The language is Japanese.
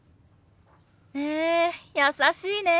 へえ優しいね。